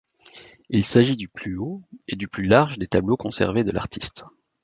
Il s'agit du plus haut et du plus large des tableaux conservés de l'artiste.